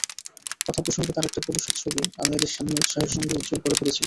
কথাপ্রসঙ্গে তার একটা ভবিষ্যৎ ছবি আমি এঁদের সামনে উৎসাহের সঙ্গে উজ্জ্বল করে ধরেছিলুম।